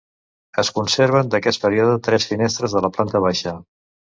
Es conserven d'aquest període tres finestres de la planta baixa.